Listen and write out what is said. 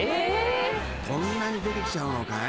［こんなに出てきちゃうのかい？